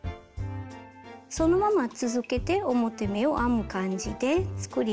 そのまま続けて表目を編む感じで作り目を編みます。